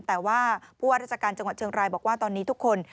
แต่ว่าผู้ว่าราชการจังหวัดเชียงรายบอกว่าตอนนี้ทุกคน